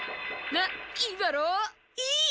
なっいいだろう？いい！